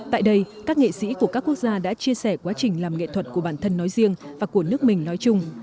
tại đây các nghệ sĩ của các quốc gia đã chia sẻ quá trình làm nghệ thuật của bản thân nói riêng và của nước mình nói chung